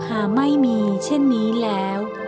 หากไม่มีเช่นนี้แล้ว